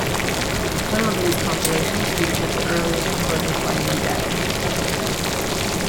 Some of these compilations featured the earliest recordings by No Doubt.